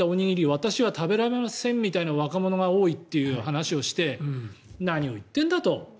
私は食べられませんみたいな若者が多いという話をして何を言ってんだと。